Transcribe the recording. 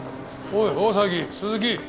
おい大崎鈴木。